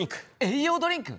栄養ドリンク？